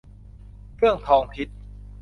เครื่องทองทิศ